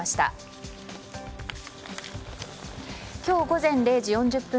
午前０時４０分